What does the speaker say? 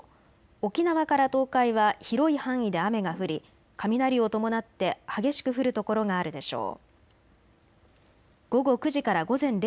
沖縄から東海は広い範囲で雨が降り雷を伴って激しく降る所があるでしょう。